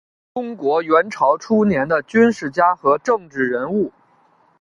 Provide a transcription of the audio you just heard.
中国元朝初年的军事家和政治人物。